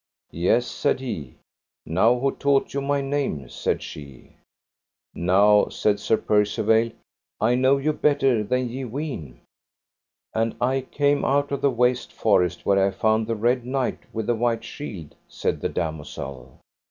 Yea, said he. Now who taught you my name? said she. Now, said Sir Percivale, I know you better than ye ween. And I came out of the waste forest where I found the Red Knight with the white shield, said the damosel.